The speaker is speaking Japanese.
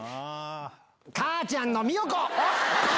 母ちゃんの美代子！